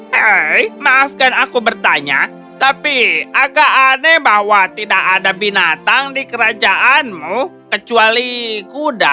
hei maafkan aku bertanya tapi agak aneh bahwa tidak ada binatang di kerajaanmu kecuali kuda